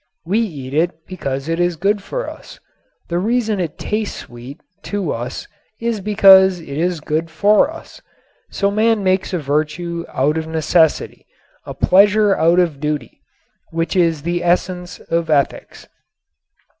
We eat it because it is good for us. The reason it tastes sweet to us is because it is good for us. So man makes a virtue out of necessity, a pleasure out of duty, which is the essence of ethics.